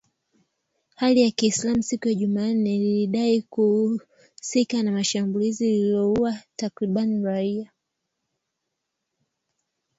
Hali ya kiislamu siku ya Jumanne lilidai kuhusika na shambulizi lililoua takribani raia